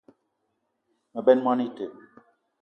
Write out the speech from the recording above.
Me benn moni ite